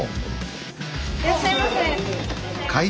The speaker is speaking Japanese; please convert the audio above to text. いらっしゃいませ。